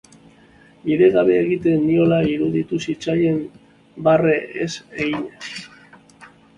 Bidegabe egiten niola iruditu zitzaidan barre ez eginaz.